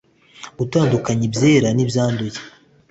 gutandukanya ibyera nibyanduye